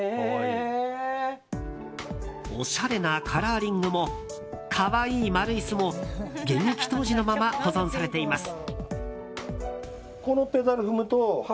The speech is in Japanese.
おしゃれなカラーリングも可愛い丸椅子も現役当時のまま保存されています。